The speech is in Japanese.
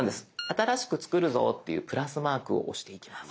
新しく作るぞというプラスマークを押していきます。